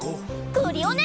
クリオネ！